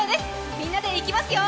みんなでいきますよ。